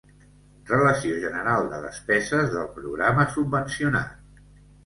Relació general de despeses del programa subvencionat.